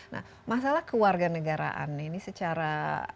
nah masalah kewarganegaraan ini secara